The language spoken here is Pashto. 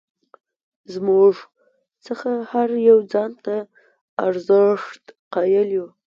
زموږ څخه هر یو ځان ته ارزښت قایل یو.